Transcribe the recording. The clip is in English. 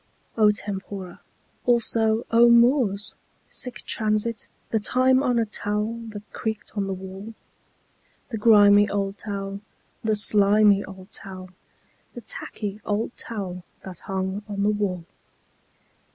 O tempora! Also, O mores! Sic transit The time honored towel that creaked on the wall. The grimy old towel, the slimy old towel, The tacky old towel that hung on the wall.